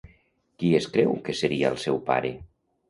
Qui es creu que seria el seu pare?